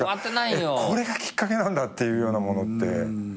これがきっかけなんだっていうようなものって。